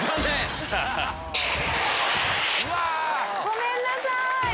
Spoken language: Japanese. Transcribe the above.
ごめんなさい。